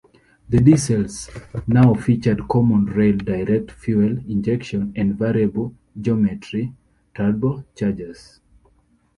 The diesels now featured common rail direct fuel injection and variable geometry turbochargers.